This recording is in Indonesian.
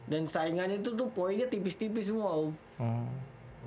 dan saingannya itu tuh poinnya tipis tipis semua om